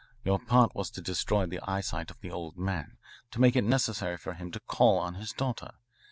Your part was to destroy the eyesight of the old man, to make it necessary for him to call on his daughter.